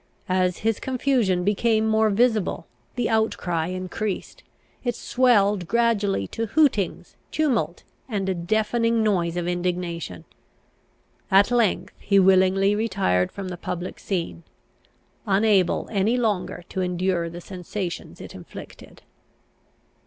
As his confusion became more visible, the outcry increased. It swelled gradually to hootings, tumult, and a deafening noise of indignation. At length he willingly retired from the public scene, unable any longer to endure the sensations it inflicted.